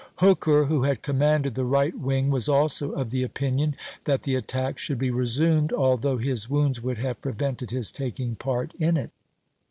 Hooker, who had commanded the right wing, was also of the opinion that the attack should be resumed, although his wounds would have pre vented his taking part in it.